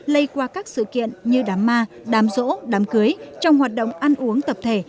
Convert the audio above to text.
lây qua các sự kiện như đám ma đám rỗ đám cưới trong hoạt động ăn uống tập thể